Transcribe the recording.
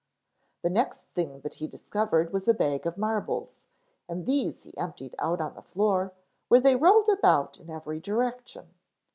The next thing that he discovered was a bag of marbles, and these he emptied out on the floor, where they rolled about in every direction.